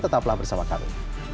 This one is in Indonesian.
tetaplah bersama kami